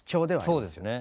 そうですね。